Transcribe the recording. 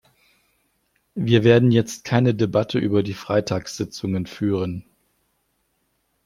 Wir werden jetzt keine Debatte über die Freitagssitzungen führen.